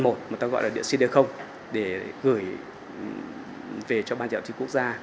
mà ta gọi là cd để gửi về cho ban chấm thi quốc gia